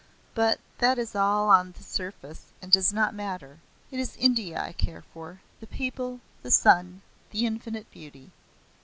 But that is all on the surface and does not matter. It is India I care for the people, the sun, the infinite beauty.